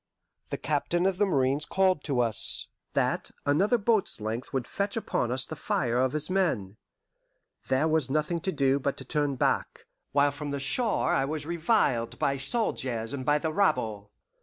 The captain of the marines called to us that another boat's length would fetch upon us the fire of his men. There was nothing to do, but to turn back, while from the shore I was reviled by soldiers and by the rabble.